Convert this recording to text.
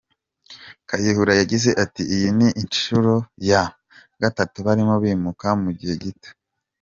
Kayihura yagize ati “Iyi ni inshuro ya gatatu barimo bimuka mu gihe gito.